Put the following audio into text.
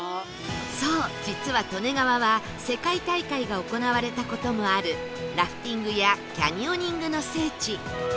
そう実は利根川は世界大会が行われた事もあるラフティングやキャニオニングの聖地